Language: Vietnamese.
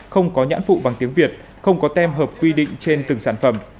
không có nhãn phụ bằng tiếng việt không có tem hợp quy định trên từng sản phẩm